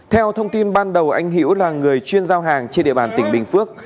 theo thông tin ban đầu anh hiễu là người chuyên giao hàng trên địa bàn tỉnh bình phước